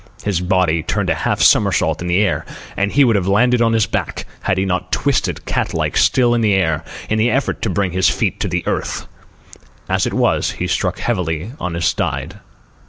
His body turned a half somersault in the air, and he would have landed on his back had he not twisted, catlike, still in the air, in the effort to bring his feet to the earth. As it was, he struck heavily on his side.